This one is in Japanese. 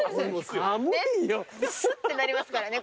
すってなりますからね。